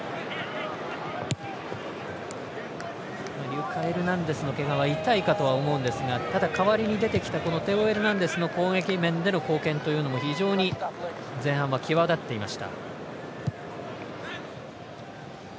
リュカ・エルナンデスのけがは痛いかとは思うんですがただ、代わりに出てきたテオ・エルナンデスの攻撃面での貢献というのも非常に前半は際立っていました。